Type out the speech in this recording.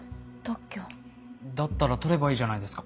だったら取ればいいじゃないですか。